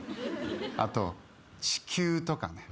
あと地球とかね。